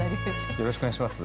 ◆よろしくお願いします。